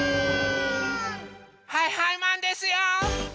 はいはいマンですよ！